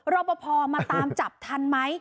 รับประพอมาตามจับทันมั้ย